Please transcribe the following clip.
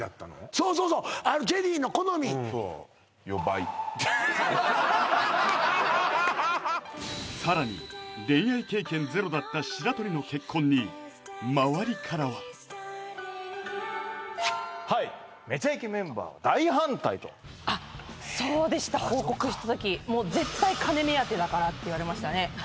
そうそうそうチェリーの好みさらに恋愛経験ゼロだった白鳥の結婚にまわりからははいめちゃイケメンバーは大反対とそうでした報告した時だからって言われましたね